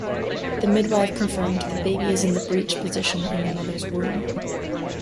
The midwife confirmed the baby is in the breech position in the mother’s womb.